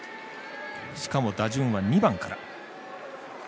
しかも打順は２番から。